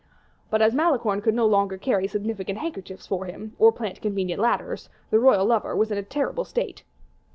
But as Malicorne could no longer carry significant handkerchiefs for him or plant convenient ladders, the royal lover was in a terrible state.